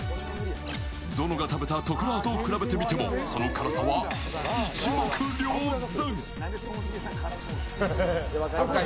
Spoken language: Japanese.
ゾノが食べた特辣と比べてみても、その辛さは一目瞭然。